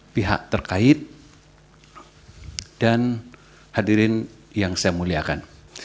pihak terkait dan hadirin yang saya muliakan